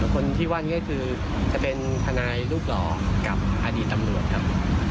คนที่ว่านี้ก็คือจะเป็นทนายรูปหล่อกับอดีตตำรวจครับ